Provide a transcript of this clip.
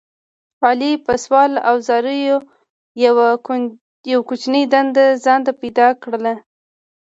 علي په سوال او زاریو یوه کوچنۍ دنده ځان ته پیدا کړله.